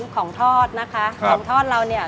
ของทอดนะคะของทอดเราเนี่ย